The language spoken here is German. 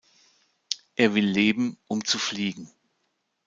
Er will leben, um zu fliegen.